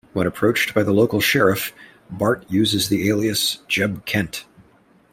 When approached by the local sheriff, Bart uses the alias "Jeb Kent".